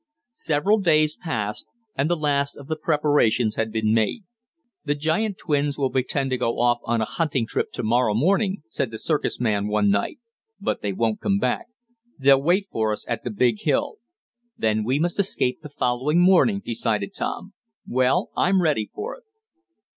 Several days passed, and the last of the preparations had been made. "The giant twins will pretend to go off on a hunting trip to morrow morning," said the circus man one night, "but they won't come back. They'll wait for us at the big hill." "Then we must escape the following morning," decided Tom. "Well, I'm ready for it."